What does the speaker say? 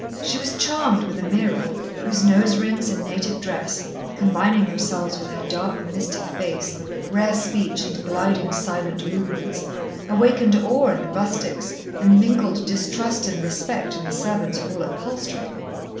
She was charmed with Ameerah, whose nose rings and native dress, combining themselves with her dark mystic face, rare speech, and gliding, silent movements, awakened awe in the rustics and mingled distrust and respect in the servants' hall at Palstrey.